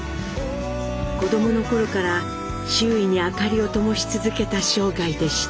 子どもの頃から周囲に明かりをともし続けた生涯でした。